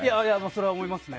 それは思いますね。